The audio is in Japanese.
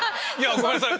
ごめんなさい！